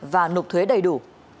và nộp thuế đầy đủ